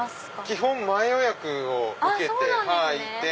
基本前予約を受けていて。